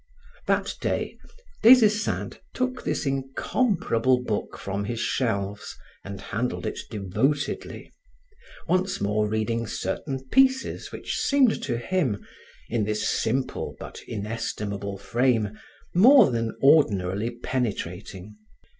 That day, Des Esseintes took this incomparable book from his shelves and handled it devotedly, once more reading certain pieces which seemed to him, in this simple but inestimable frame, more than ordinarily penetrating.